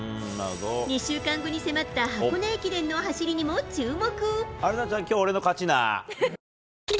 ２週間後に迫った箱根駅伝の走りにも注目。